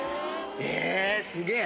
えっすげえ！